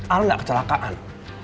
al gak kecelakaan